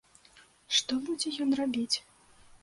Што будзе ён рабіць?